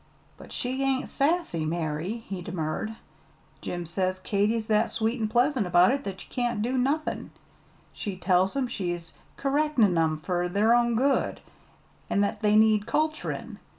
"But she ain't sassy, Mary," he demurred. "Jim says Katy's that sweet an' pleasant about it that ye can't do nothin'. She tells 'em she's kerrectin' 'em fur their own good, an' that they need culturin'.